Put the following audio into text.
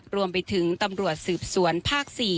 รวมไปถึงตำรวจสืบสวนภาค๔